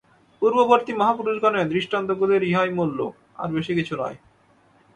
পূর্ববর্তী মহাপুরুষগণের দৃষ্টান্তগুলির ইহাই মূল্য, আর বেশী কিছু নয়।